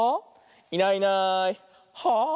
「いないいないはあ？」。